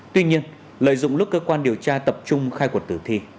tuy nhiên lợi dụng lúc cơ quan điều tra tập trung khai quật tử thi